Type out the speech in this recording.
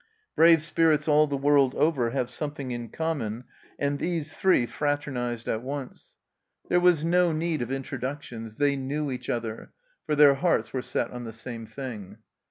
Brave spirits all the world over have something in common, and these three fraternized at once. There was no need of 11 82 THE CELLAR HOUSE OF PERVYSE introductions ; they knew each other, for their hearts were set on the same thing.